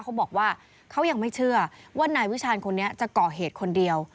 เขาบอกว่าเขายังไม่เชื่อว่านายวิชาณคนนี้จะก่อเหตุคนเดียว